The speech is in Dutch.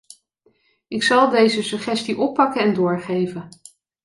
Ik zal deze suggestie oppakken en doorgeven.